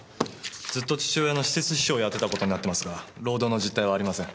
ずっと父親の私設秘書をやってた事になってますが労働の実態はありません。